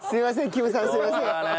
キムさんすいません。